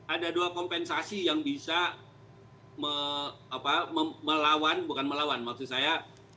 ada dua kompensasi yang bisa melawan bukan melawan maksud saya